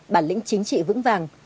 bản lĩnh chính trị vững vàng